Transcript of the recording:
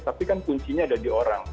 tapi kan kuncinya ada di orang